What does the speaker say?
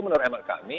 menurut emak kami